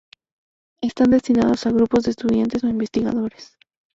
Están destinados a grupos de estudiantes e investigadores.